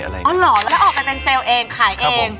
อ๋อเหรอแล้วออกไปเป็นเซลล์เองขายเอง